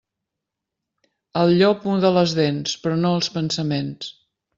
El llop muda les dents, però no els pensaments.